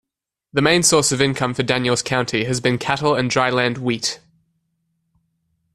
The main source of income for Daniels County has been cattle and dryland wheat.